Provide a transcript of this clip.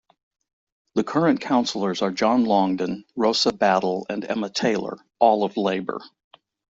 The current councillors are John Longden, Rosa Battle and Emma Taylor, all of Labour.